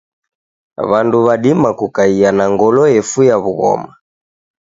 Wandu wadima kukaia na ngolo yefuya wughoma.